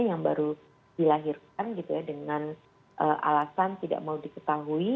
yang baru dilahirkan dengan alasan tidak mau diketahui